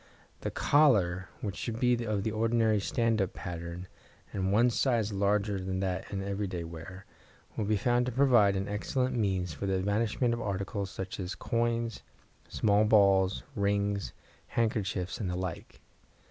The collar, which should be of the ordinary "stand up" pattern and one size larger than that in every day wear, will be found to provide an excellent means for the evanishment of articles such as coins, small balls, rings, handkerchiefs, and the like.